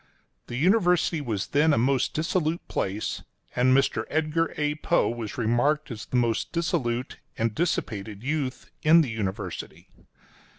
The University was then a most dissolute place, and Mr. Edgar A. Poe was remarked as the most dissolute and dissipated youth in the University.